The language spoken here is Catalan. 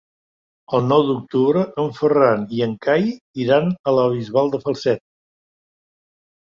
El nou d'octubre en Ferran i en Cai iran a la Bisbal de Falset.